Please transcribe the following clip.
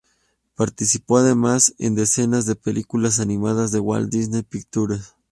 Participó, además, en decenas de películas animadas de Walt Disney Pictures.